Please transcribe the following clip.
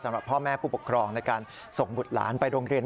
สำหรับพ่อแม่ผู้ปกครองในการส่งบุตรหลานไปโรงเรียน